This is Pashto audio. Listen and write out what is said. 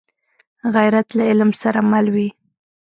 غیرت له علم سره مل وي